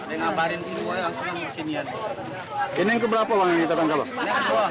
ini yang keberapa bang